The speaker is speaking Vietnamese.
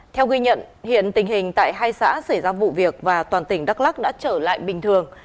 theo ghi nhận hiện tình hình tại hai xã xảy ra vụ việc và toàn tỉnh đắk lắc đã trở lại bình thường